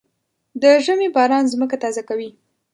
د ژمي باران ځمکه تازه کوي.